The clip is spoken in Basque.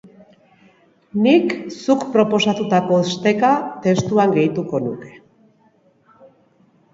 Nik zuk proposatutako esteka testuan gehituko nuke.